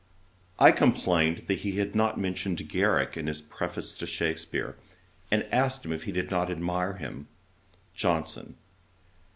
I complained that he had not mentioned Garrick in his Preface to Shakspeare; and asked him if he did not admire him. JOHNSON.